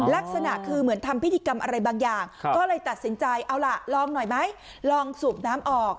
ลักษณะคือเหมือนทำพิธีกรรมอะไรบางอย่างก็เลยตัดสินใจเอาล่ะลองหน่อยไหมลองสูบน้ำออก